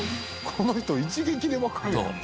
この人一撃でわかるやん。